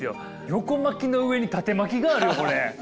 横巻きの上に縦巻きがあるよこれ。